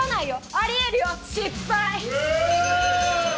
ありえるよ失敗！